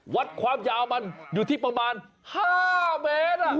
วัดความยาวมันอยู่ที่ประมาณ๕เมตร